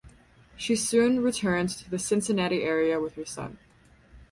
She soon returned to the Cincinnati area with her son.